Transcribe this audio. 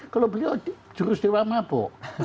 kalau beliau jurus di rumah apa